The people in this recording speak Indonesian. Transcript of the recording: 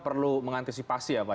perlu mengantisipasi ya pak